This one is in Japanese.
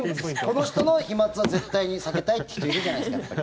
この人の飛まつは絶対に避けたいって人いるじゃないですか。